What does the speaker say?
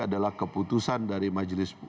adalah keputusan dari majelis